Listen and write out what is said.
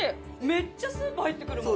めっちゃスープ入ってくる。